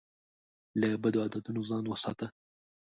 له بدو عادتونو ځان وساته.